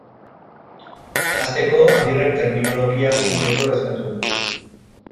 Hasteko, Agirrek terminologia zaintzeko eskatu du.